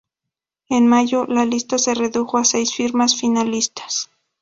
En mayo, la lista se redujo a seis firmas finalistas.